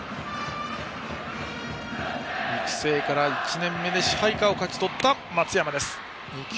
育成から１年目で支配下を勝ち取った松山です。